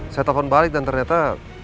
saya telepon balik dan ternyata